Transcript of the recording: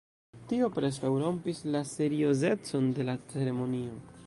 Tio preskaŭ rompis la seriozecon de la ceremonio.